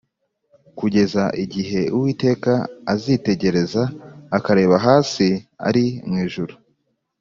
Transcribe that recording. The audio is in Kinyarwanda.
Kugeza igihe Uwiteka azitegereza, Akareba hasi ari mu ijuru.